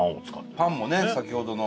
パンもね先ほどの。